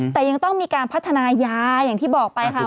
แต่ยังต้องมีการพัฒนายาอย่างที่บอกไปค่ะ